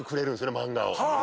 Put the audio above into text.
漫画を。